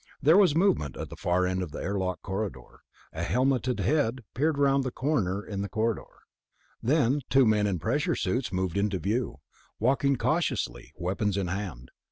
There was movement at the far end of the airlock corridor. A helmeted head peered around the turn in the corridor; then two men in pressure suits moved into view, walking cautiously, weapons in hand.